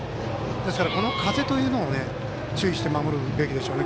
ですから、この風に注意して守るべきでしょうね